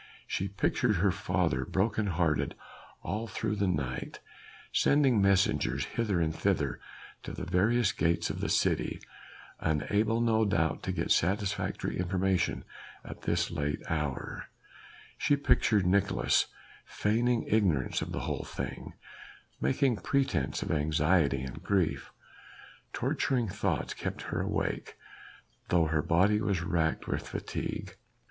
She pictured her father broken hearted all through the night, sending messengers hither and thither to the various gates of the city, unable no doubt to get satisfactory information at this late hour: she pictured Nicolaes feigning ignorance of the whole thing, making pretence of anxiety and grief. Torturing thoughts kept her awake, though her body was racked with fatigue.